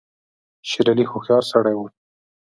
شېر علي هوښیار سړی وو.